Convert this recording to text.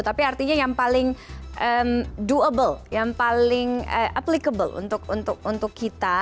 tapi artinya yang paling doable yang paling applicable untuk kita